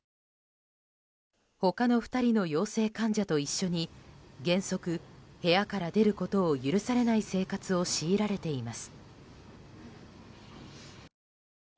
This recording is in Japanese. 他の２人の陽性患者と一緒に原則、部屋から出ることを許されない生活を強いられています。